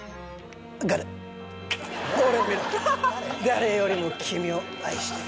誰よりも君を愛してる。